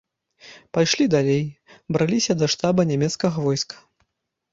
Пайшлі далей, браліся да штаба нямецкага войска.